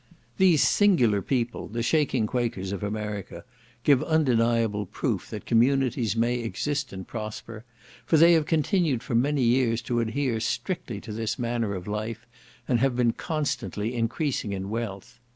These singular people, the shaking Quakers of America, give undeniable proof that communities may exist and prosper, for they have continued for many years to adhere strictly to this manner of life, and have been constantly increasing in wealth.